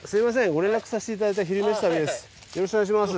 ご連絡させていただいた「昼めし旅」です。